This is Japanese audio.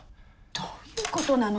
どういうことなの？